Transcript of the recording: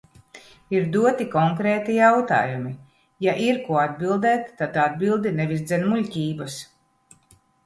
Ir doti konkrēti jautājumi, ja ir ko atbildēt, tad atbildi nevis dzen muļķības.